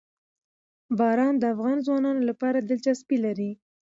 باران د افغان ځوانانو لپاره دلچسپي لري.